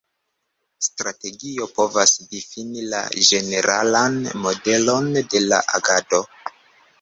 Strategio povas difini la ĝeneralan modelon de la agado.